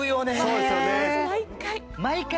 そうですよね。